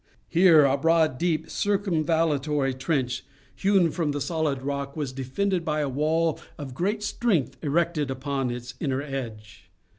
Here, a broad, deep, circumvallatory trench, hewn from the solid rock, was defended by a wall of great strength erected upon its inner edge.